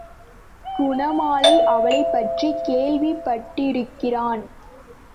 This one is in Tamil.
குணமாலை அவளைப்பற்றிக் கேள்விப்பட்டிருக்கிறான்.